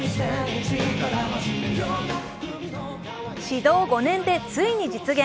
始動５年でついに実現。